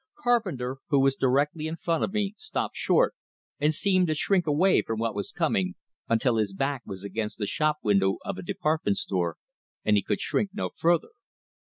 Carpenter, who was directly in front of me, stopped short, and seemed to shrink away from what was coming, until his back was against the show window of a department store, and he could shrink no further.